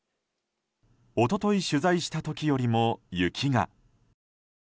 一昨日取材した時よりも雪が。